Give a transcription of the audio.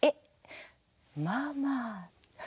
まあまあ。